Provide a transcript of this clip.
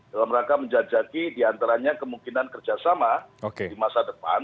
dalam rangka menjajaki diantaranya kemungkinan kerjasama di masa depan